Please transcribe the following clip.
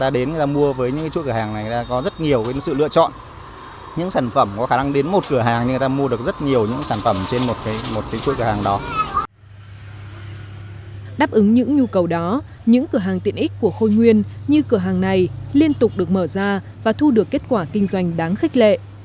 đáp ứng những nhu cầu đó những cửa hàng tiện ích của khôi nguyên như cửa hàng này liên tục được mở ra và thu được kết quả kinh doanh đáng khích lệ